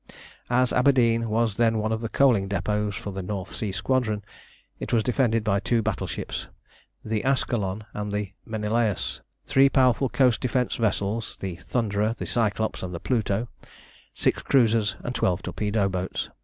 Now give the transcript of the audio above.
As Aberdeen was then one of the coaling depots for the North Sea Squadron, it was defended by two battleships, the Ascalon and the Menelaus, three powerful coast defence vessels, the Thunderer, the Cyclops, and the Pluto, six cruisers, and twelve torpedo boats.